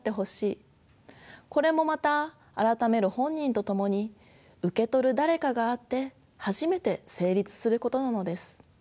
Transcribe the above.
これもまた改める本人と共に受け取る誰かがあって初めて成立することなのです。